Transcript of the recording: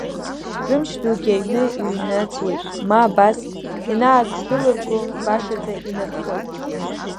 Рымч дугьы аҩны иҩнаӡуеит, ма абас ианаадәылырго башаӡа инырхуеит…